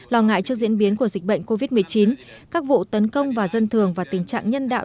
lo ngại trước diễn biến của dịch bệnh covid một mươi chín các vụ tấn công vào dân thường và tình trạng nhân đạo